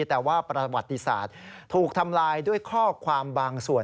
แต่ว่าประวัติศาสตร์ถูกทำลายด้วยข้อความบางส่วน